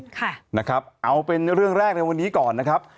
ค่ะนะครับเอาเป็นเรื่องแรกในวันนี้ก่อนนะครับ